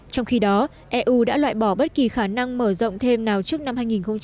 trong khi đó eu đã loại bỏ bất kỳ khả năng mở rộng thêm nào trước năm hai nghìn một mươi năm